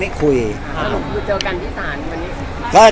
แล้วคุณเจอกันที่สถานที่วันนี้